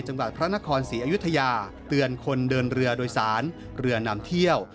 จังหวัดพระนครศรีอยุธยาเตือนคนเดินเรือโดยสารเรือนำเที่ยว